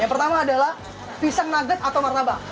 yang pertama adalah pisang nugget atau martabak